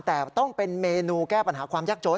แต่ต้องเป็นเมนูแก้ปัญหาความยากจน